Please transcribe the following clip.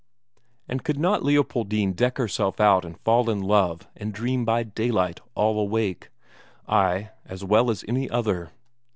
And could not Leopoldine deck herself out and fall in love and dream by daylight all awake? Ay, as well as any other!